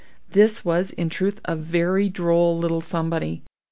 This was in truth a very droll little somebody.